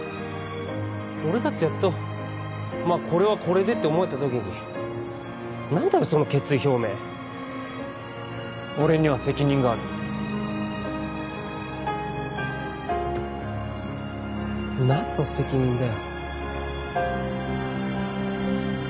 俺だってやっとまあこれはこれでって思えた時に何だよその決意表明俺には責任がある何の責任だよ